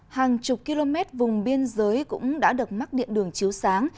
hàng chục km vùng biên giới cũng đã được mắc điện đường chiếu sáng